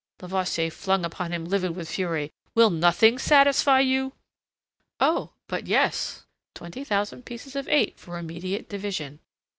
Levasseur flung upon him livid with fury. "Will nothing satisfy you?" "Oh, but yes. Twenty thousand pieces of eight for immediate division."